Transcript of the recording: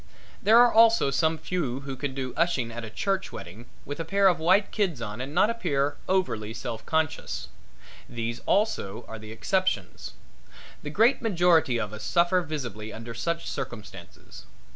There are also some few who can do ushing at a church wedding with a pair of white kids on and not appear overly self conscious. These are also the exceptions. The great majority of us suffer visibly under such circumstances.